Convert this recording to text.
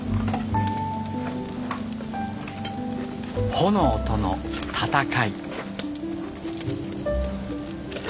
炎との戦い。